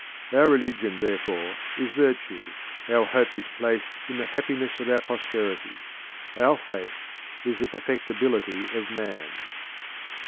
Our religion therefore is Virtue, our Hope is placed in the happiness of our posterity; our Faith is the Perfectibility of Man.